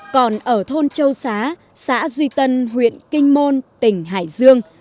còn ở thôn châu xá xã duy tân huyện kinh môn tỉnh hải dương